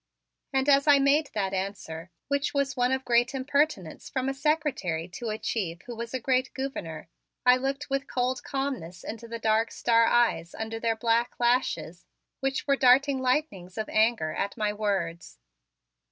And as I made that answer, which was one of great impertinence from a secretary to a chief who was a great gouverneur, I looked with cold calmness into the dark star eyes under their black lashes, which were darting lightnings of anger at my words.